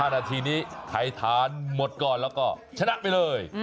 นาทีนี้ไทยทานหมดก่อนแล้วก็ชนะไปเลย